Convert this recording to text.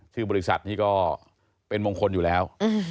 ชื่อบริษัทนี้ก็เป็นมงคลอยู่แล้ว